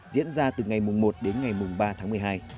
diễn ra từ ngày một đến ngày ba tháng một mươi hai